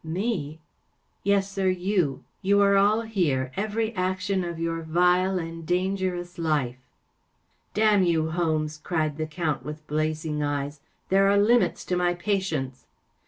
‚ÄĚ 44 Me ? ‚ÄĚ 44 Yes, sir, you ! You are all here‚ÄĒevery action of your vile and dangerous life.‚ÄĚ 44 Damn you, Holmes ! ‚ÄĚ cried the Count, with blazing eyes. 44 There are limits to my patience